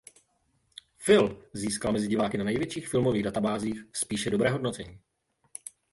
Film získal mezi diváky na největších filmových databázích spíše dobré hodnocení.